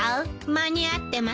間に合ってます。